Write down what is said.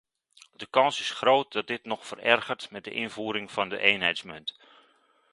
De kans is groot dat dit nog verergert met de invoering van de eenheidsmunt.